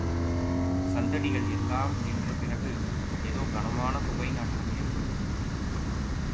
சந்தடிகள் எல்லாம் நின்ற பிறகு, ஏதோ கனமான புகைநாற்றம் ஏற்பட்டது.